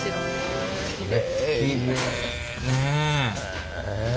きれいね。